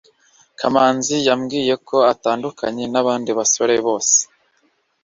kamanzi yambwiye ko atandukanye nabandi basore bose